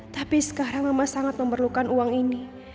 tapi sekarang mama sangat memerlukan uang ini